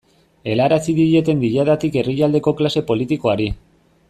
Helarazi dieten Diadatik herrialdeko klase politikoari.